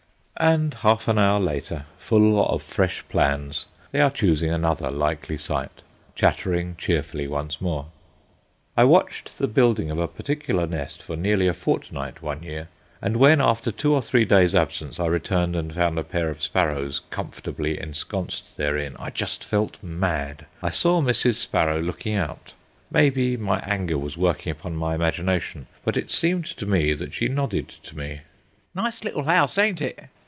And half an hour later, full of fresh plans, they are choosing another likely site, chattering cheerfully once more. I watched the building of a particular nest for nearly a fortnight one year; and when, after two or three days' absence, I returned and found a pair of sparrows comfortably encsonced therein, I just felt mad. I saw Mrs. Sparrow looking out. Maybe my anger was working upon my imagination, but it seemed to me that she nodded to me: "Nice little house, ain't it?